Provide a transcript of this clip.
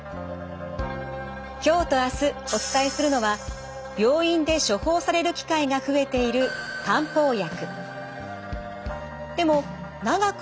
今日と明日お伝えするのは病院で処方される機会が増えている漢方薬。